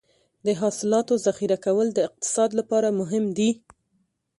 د حاصلاتو ذخیره کول د اقتصاد لپاره مهم دي.